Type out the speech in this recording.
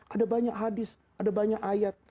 ada banyak hadis ada banyak ayat